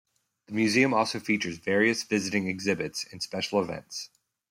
The Museum also features various visiting exhibits and special events.